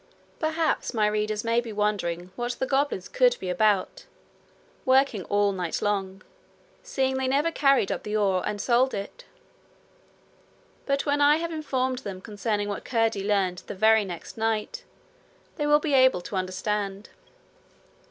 Perhaps my readers may be wondering what the goblins could be about, working all night long, seeing they never carried up the ore and sold it; but when I have informed them concerning what Curdie learned the very next night, they will be able to understand.